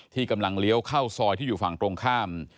กำลังเลี้ยวเข้าซอยที่อยู่ฝั่งตรงข้าม